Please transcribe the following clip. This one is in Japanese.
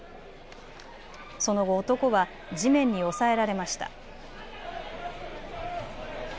その後、男は地面に押さえられました。